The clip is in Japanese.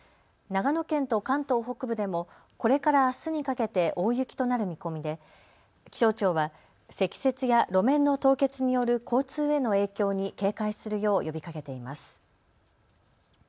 長野県と関東北部でもこれからあすにかけて大雪となる見込みで気象庁は積雪や路面の凍結による交通への影響に警戒するよう呼びかけています。